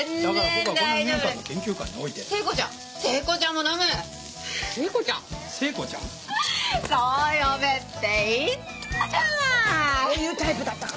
こういうタイプだったか。